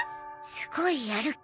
すごいやる気。